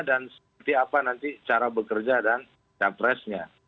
dan seperti apa nanti cara bekerja dan capresnya